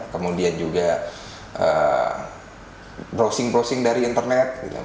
kemudian juga browsing browsing dari internet